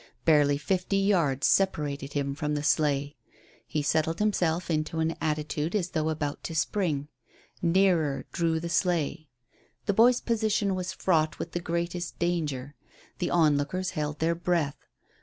Barely fifty yards separated him from the sleigh. He settled himself into an attitude as though about to spring. Nearer drew the sleigh. The boy's position was fraught with the greatest danger. The onlookers held their breath.